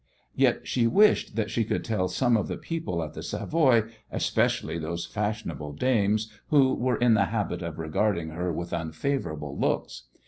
Yet she wished that she could tell some of the people at the Savoy, especially those fashionable dames who were in the habit of regarding her with unfavourable looks.